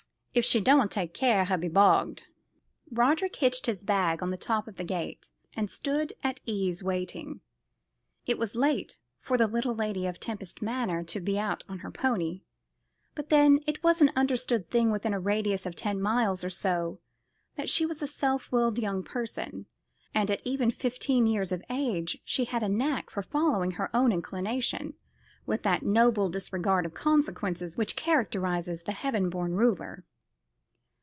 If she doant take care her'll be bogged." Roderick hitched his bag on to the top of the gate, and stood at ease waiting. It was late for the little lady of Tempest Manor to be out on her pony; but then it was an understood thing within a radius of ten miles or so that she was a self willed young person, and even at fifteen years of age she had a knack of following her own inclination with that noble disregard of consequences which characterises the heaven born ruler.